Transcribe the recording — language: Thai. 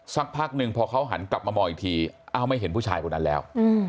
สักพักหนึ่งพอเขาหันกลับมามองอีกทีอ้าวไม่เห็นผู้ชายคนนั้นแล้ว